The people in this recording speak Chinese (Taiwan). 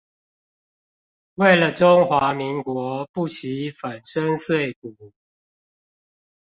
為了中華民國不惜粉身碎骨